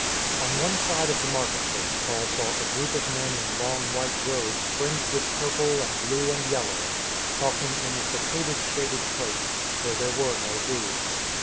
On one side of the market place Paul saw a group of men in long white robes fringed with purple and blue and yellow, talking in a secluded shaded place, where there were no booths.